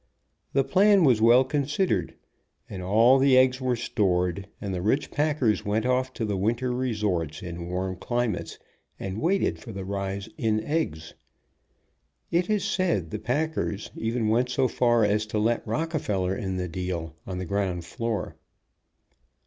The plan was well considered, and all the eggs were stored, and the rich packers went off to the winter resorts, in warm climates, and waited for the rise in eggs. It is said the packers even went so far as to let Rockefeller in the deal, on the ground floor.